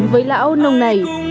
với lão nồng này